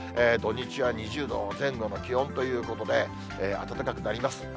土日は２０度前後の気温ということで、暖かくなります。